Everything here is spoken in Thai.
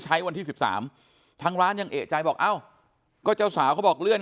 วันที่๑๓ทางร้านยังเอกใจบอกเอ้าก็เจ้าสาวเขาบอกเลื่อน